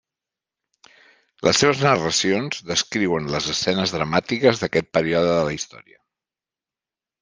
Les seves narracions descriuen les escenes dramàtiques d'aquest període de la història.